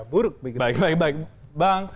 buruk begitu baik baik bang